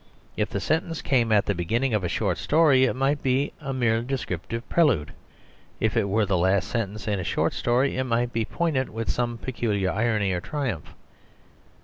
If the sentence came at the beginning of a short story, it might be a mere descriptive prelude. If it were the last sentence in a short story, it might be poignant with some peculiar irony or triumph.